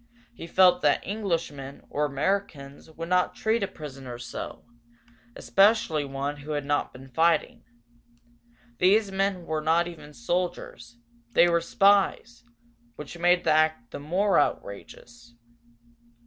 He felt that Englishmen, or Americans, would not treat a prisoner so especially one who had not been fighting. These men were not even soldiers, they were spies, which made the act the more outrageous.